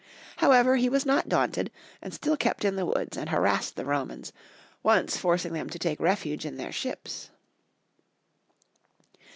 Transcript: However, he was not daiuited, and still kept in the woods and harassed the Romans, once forcing them to take refuge in their ships.